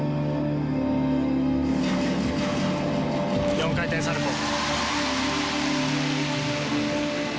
４回転サルコー。